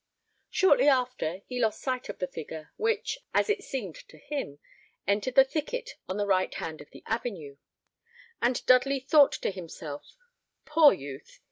Shortly after, he lost sight of the figure, which, as it seemed to him, entered the thicket on the right hand of the avenue; and Dudley thought to himself, "Poor youth!